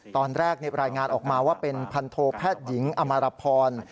ตอนแรกรายงานออกมาว่าเป็นพันโทแพทย์หญิงอมารพร